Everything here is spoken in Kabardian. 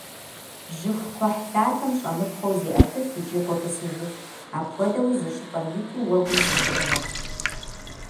Жьыхукхъухьлъатэм щӏэмыпхъуэу зеӏэтыф икӏи къотӏысыжыф, апхуэдэуи зы щӏыпӏэм иту уэгум зыщеӏыгъыф.